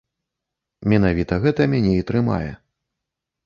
Менавіта гэта мяне і трымае.